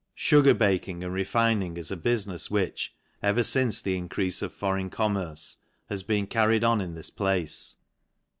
igar baking and refining is a bufinefs which, ever ice the increafe of foreign commerce, has been rried on in this place.